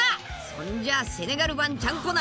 そんじゃセネガル版ちゃんこ鍋